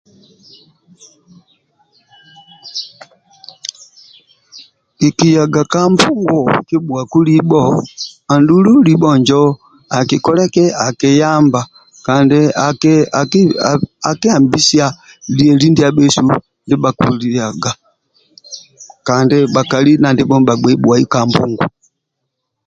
Kikiyaga ka mbungu kibhuaku libho andulu libho injo akikoleki akiyamba kandi aki ambisia lieli ndia bhesu ndibha kyekoliliaga kandi bhakali na ndhibho ndibha bhagbei bhuwai ka mbungu